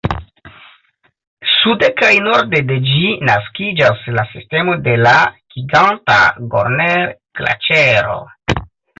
Sude kaj norde de ĝi naskiĝas la sistemo de la giganta Gorner-Glaĉero.